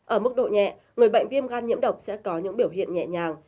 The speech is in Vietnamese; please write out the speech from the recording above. ở mức độ nhẹ người bệnh viêm gan nhiễm độc sẽ có những biểu hiện nhẹ nhàng